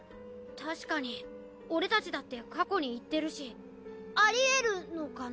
確かに俺たちだって過去に行ってるしありえるのかな。